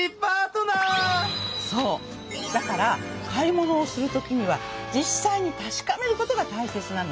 だから買い物をするときには実際に確かめることがたいせつなのね。